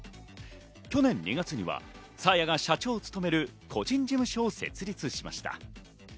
去年２月にはサーヤが社長を務める個人事務所を設立しました。